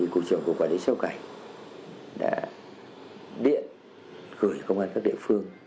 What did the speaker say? cụ trưởng của quản lý xuất nhập cảnh đã điện gửi công an các địa phương